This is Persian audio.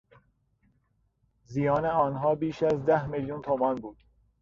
زیان آنها بیش از ده میلیون تومان بود.